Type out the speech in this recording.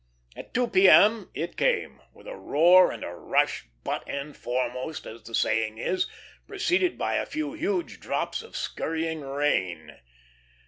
At 2 P.M. it came with a roar and a rush, "butt end foremost," as the saying is, preceded by a few huge drops of scurrying rain.